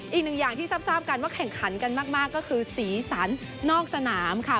อีกหนึ่งอย่างที่ซับซ่อมกันว่าแข่งขันกันมากก็คือสีสันนอกสนามค่ะ